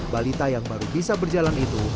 balita yang baru bisa berjalan itu